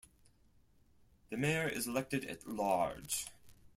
The mayor is elected at large.